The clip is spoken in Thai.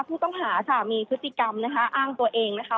ผู้ต้องหาค่ะมีพฤติกรรมนะคะอ้างตัวเองนะคะ